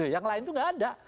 yang lain itu nggak ada